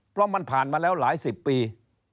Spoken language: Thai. เพราะมันผ่านมาแล้วหลายสิบปี